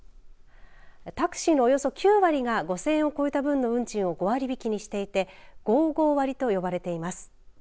タクシーのおよそ９割が５０００円を超えた分の運賃を５割引きにしていて５５割と呼ばれています。